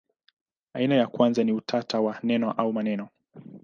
Aina ya kwanza ni utata wa neno au maneno.